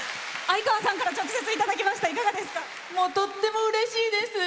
とってもうれしいです！